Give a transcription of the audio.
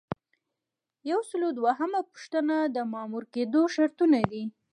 یو سل او دوهمه پوښتنه د مامور کیدو شرطونه دي.